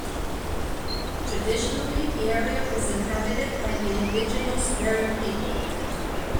Traditionally, the area was inhabited by the indigenous Dharug people.